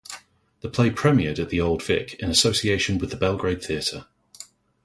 The play premiered at The Old Vic in association with the Belgrade Theatre.